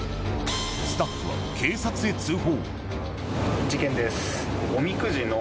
スタッフは警察へ通報。